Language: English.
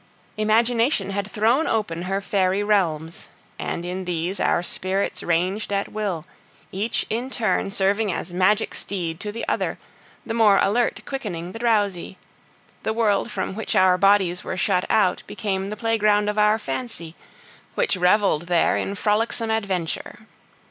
Imagination had thrown open her fairy realms, and in these our spirits ranged at will, each in turn serving as magic steed to the other, the more alert quickening the drowsy; the world from which our bodies were shut out became the playground of our fancy, which reveled there in frolicsome adventure.